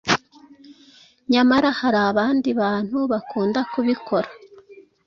Nyamara hari abandi bantu bakunda kubikora.